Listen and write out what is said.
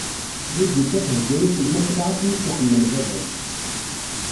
Ribika thegga-as lmakla akken i tt-iḥemmel baba-s.